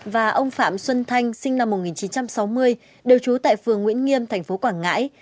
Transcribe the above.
và ông phạm xuân thanh sinh năm một nghìn chín trăm sáu mươi đều trú tại phường nguyễn nghiêm tp quảng ngãi